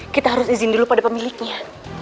kita harus izin dulu pada pemiliknya